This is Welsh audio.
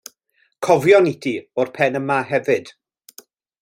Cofion i ti o'r pen yma hefyd.